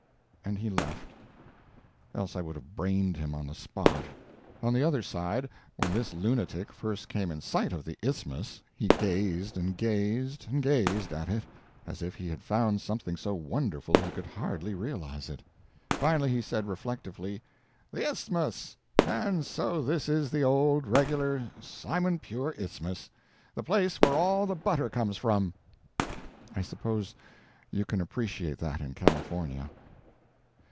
And he left—else I would have brained him on the spot. On the other side, when this lunatic first came in sight of the Isthmus, he gazed, and gazed, and gazed at it as if he had found something so wonderful he could hardly realize it. Finally he said, reflectively: "The Isthmus—and so this is the old, regular, simon pure Isthmus—the place where all the butter comes from!" I suppose you can appreciate that in California.